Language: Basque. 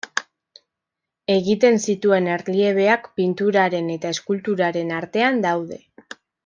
Egiten zituen erliebeak pinturaren eta eskulturaren artean daude.